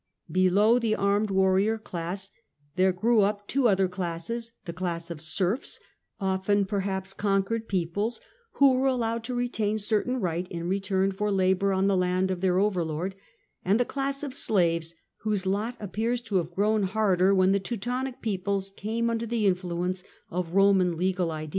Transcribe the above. Below the armed warrior class there grew up two other classes — the class of serfs, often perhaps conquered peoples who were allowed to retain certain right in re turn for labour on the land of their overlord — and the class of slaves, whose lot appears to have grown harder when the Teutonic peoples came under the influence ol Boman legal ideas.